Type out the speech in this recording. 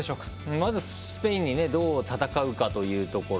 まずスペインとどう戦うかというところ。